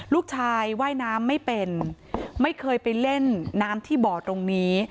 ลูกชายว่ายน้ำไม่เป็นไม่เคยไปเล่นน้ำที่บ่อตรงนี้